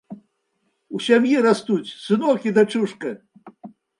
У сям'і растуць сынок і дачушка.